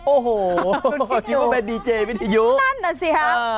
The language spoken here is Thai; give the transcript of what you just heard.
โอ้โหคิดว่าเป็นดีเจย์พิธียุคคุณคิดอยู่นั่นน่ะสิครับ